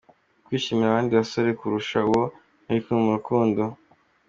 Kwishimira abandi basore kurusha uwo muri kumwe mu rukundo.